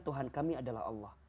tuhan kami adalah allah